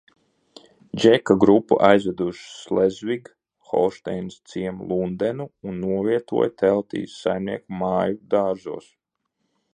Džeka grupu aizveda uz Šlezvig Holšteinas ciemu Lundenu un novietoja teltīs, saimnieku māju dārzos.